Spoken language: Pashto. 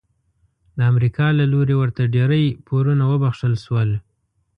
د امریکا له لوري ورته ډیری پورونه وبخښل شول.